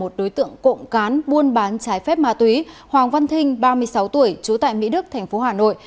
một đối tượng cộng cán buôn bán trái phép ma túy hoàng văn thinh ba mươi sáu tuổi trú tại mỹ đức thành phố hà nội